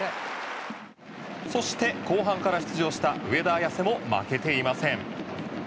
そして後半から出場した上田綺世も負けていません。